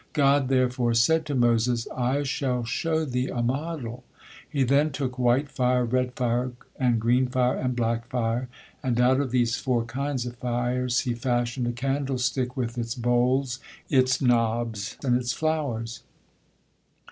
God therefore said to Moses: "I shall show thee a model." He then took white fire, red fire, and green fire, and black fire, and out these four kinds of fires He fashioned a candlestick with its bowls, its knops, and its flowers.